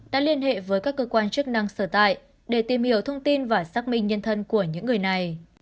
đã liên hệ với các cơ quan chức năng sở tại để tìm hiểu thông tin và xác minh nhân thân của những người này